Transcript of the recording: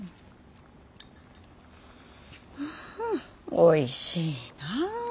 おいしいなぁ。